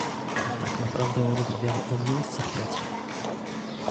Tak naprawdę rozmawiamy o miejscach pracy